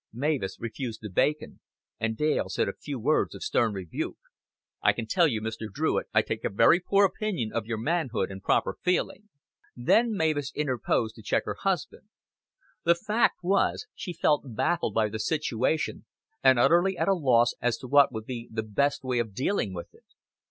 Mavis refused the bacon, and Dale said a few words of stern rebuke. "I can tell you, Mr. Druitt, I take a very poor opinion of your manhood and proper feeling." Then Mavis interposed to check her husband. The fact was, she felt baffled by the situation and utterly at a loss as to what would be the best way of dealing with it.